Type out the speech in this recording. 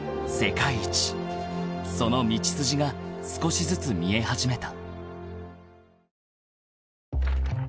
［その道筋が少しずつ見え始めた］